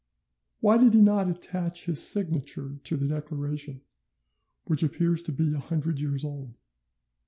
Why did he not attach his signature to the declaration, which appears to be a hundred years old?